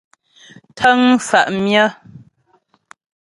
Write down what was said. Ntə́ŋ mfá' myə́.